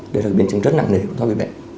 đấy là biến chứng rất nặng nề của thoát vị bệnh